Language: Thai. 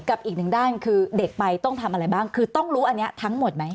อีกหนึ่งด้านคือเด็กไปต้องทำอะไรบ้างคือต้องรู้อันนี้ทั้งหมดไหม